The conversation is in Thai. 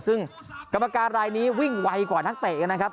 ซึ่งกรรมการรายนี้วิ่งไวกว่านักเตะกันนะครับ